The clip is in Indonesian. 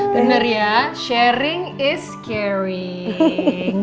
bener ya sharing is carring